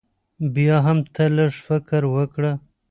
بيا هم تۀ لږ فکر وکړه